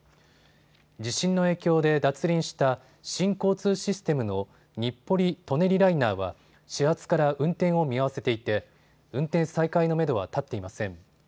地震の影響で脱輪した新交通システムの日暮里舎人ライナーは始発から運転を見合わせていて運転再開のめどは立っていません。